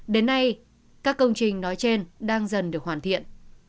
đến nay các công trình nói trên đang dần được hoàn thiện